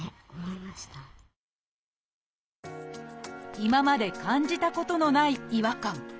今まで感じたことのない違和感。